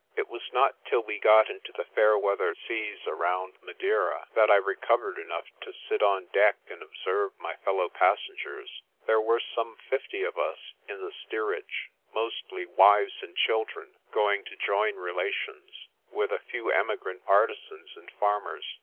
It was not till we got into the fair weather seas around Madeira that I recovered enough to sit on deck and observe my fellow passengers. There were some fifty of us in the steerage, mostly wives and children going to join relations, with a few emigrant artisans and farmers.